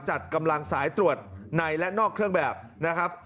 จัดกำลังสายตรวจในและนอกเครื่องแบบนะครับ